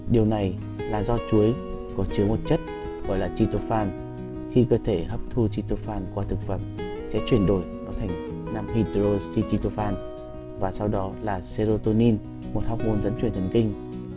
điều này là do chuối có chứa một chất gọi là tritophan khi cơ thể hấp thu tritophan qua thực phẩm sẽ chuyển đổi nó thành nằm hydrostitophan và sau đó là serotonin một học nguồn dẫn truyền thần kinh